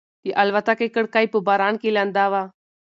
د الوتکې کړکۍ په باران کې لنده وه.